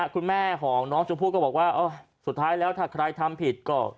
คุณแม่ของน้องชมพู่ก็บอกว่าสุดท้ายแล้วถ้าใครทำผิดก็